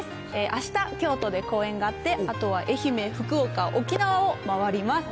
あした、京都で公演があって、あとは愛媛、福岡、沖縄を回ります。